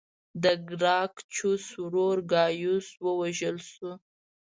د ګراکچوس ورور ګایوس ووژل شو